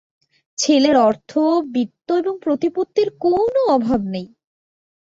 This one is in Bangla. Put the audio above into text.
ছেলের অর্থ, বিত্ত এবং প্রতিপত্তির কোনো অভাব নেই।